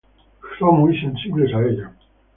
Son muy sensibles a ella.